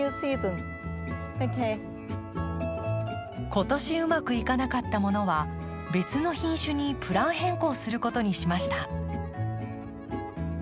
今年うまくいかなかったものは別の品種にプラン変更することにしました。